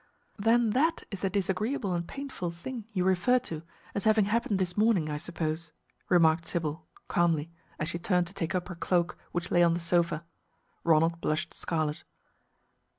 "Then that is the 'disagreeable and painful thing' you referred to, as having happened this morning, I suppose," remarked Sybil, calmly, as she turned to take up her cloak which lay on the sofa. Ronald blushed scarlet.